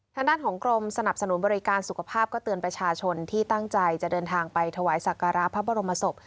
ทางด้านของกรมสนับสนุนบริการสุขภาพก็เตือนประชาชนที่ตั้งใจจะเดินทางไปถวายสักการะพระบรมศพ